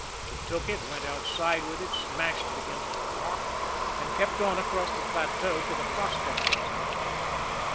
He took it, went outside with it, smashed it against a rock and kept on across the plateau to the prospectors' outfit.